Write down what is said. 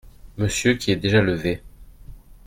Monsieur qui est déjà levé !